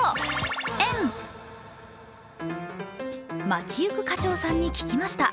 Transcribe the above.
街行く課長さんに聞きました。